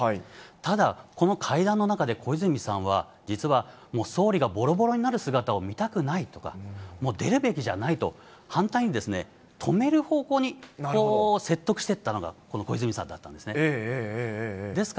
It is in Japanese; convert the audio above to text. ただ、この会談の中で小泉さんは、実はもう総理がぼろぼろになる姿を見たくないとか、もう出るべきじゃないと、反対に止める方向に説得していったのが、この小泉さんだったんですね。